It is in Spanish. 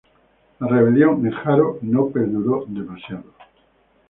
La rebelión en Haro no perduró demasiado.